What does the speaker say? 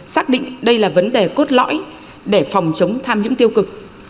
xác định đây là vấn đề cốt lõi để phòng chống tham nhũng tiêu cực